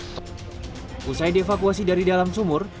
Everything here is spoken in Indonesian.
setelah di evakuasi dari dalam sumur